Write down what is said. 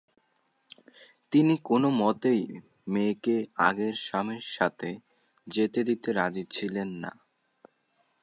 তিনি কোনোমতেই মেয়েকে আগের স্বামীর কাছে যেতে দিতে রাজি ছিলেন না।